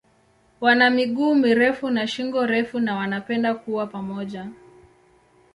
Wana miguu mirefu na shingo refu na wanapenda kuwa pamoja.